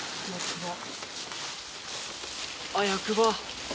あっ役場。